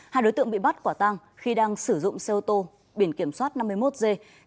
hai đối tượng bị bắt quả tang khi đang sử dụng xe ô tô biển kiểm soát năm mươi một g sáu mươi ba nghìn bảy trăm tám mươi bốn